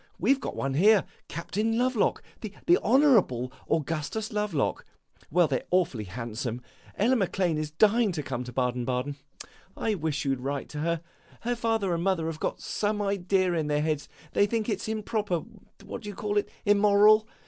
We 've got one here, Captain Lovelock, the Honourable Augustus Lovelock. Well, they 're awfully handsome. Ella Maclane is dying to come to Baden Baden. I wish you 'd write to her. Her father and mother have got some idea in their heads; they think it 's improper what do you call it? immoral.